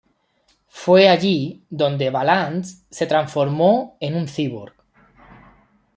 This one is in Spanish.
Fue allí donde Valance se transformó en un cyborg.